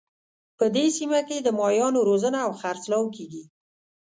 په دې سیمه کې د ماهیانو روزنه او خرڅلاو کیږي